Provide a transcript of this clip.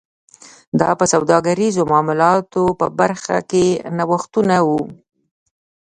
دا په سوداګریزو معاملاتو په برخه کې نوښتونه و